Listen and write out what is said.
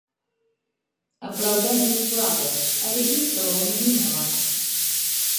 Апраўданне слабае, але іншага ў мяне няма.